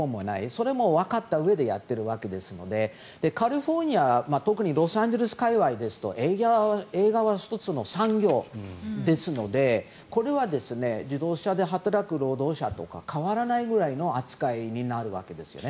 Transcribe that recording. それもわかったうえでやっているわけですのでカリフォルニア特にロサンゼルス界わいですと映画は１つの産業ですのでこれは自動車で働く労働者と変わらないぐらいの扱いになるわけですね。